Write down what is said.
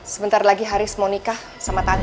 sebentar lagi haris mau menikah sama tante